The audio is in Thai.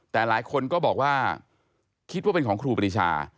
แต่หลายคนก็บอกว่าคิดว่าเป็นของครูปรีชา